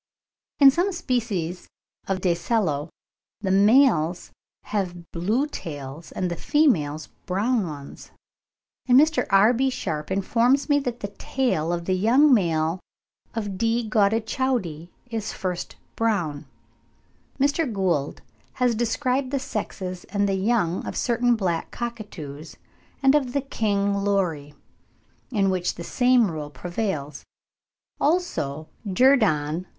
In some species of Dacelo the males have blue tails, and the females brown ones; and Mr. R.B. Sharpe informs me that the tail of the young male of D. gaudichaudi is at first brown. Mr. Gould has described (ibid. vol. ii. pp. 14, 20, 37) the sexes and the young of certain black Cockatoos and of the King Lory, with which the same rule prevails. Also Jerdon ('Birds of India,' vol.